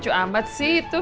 cukup amat sih itu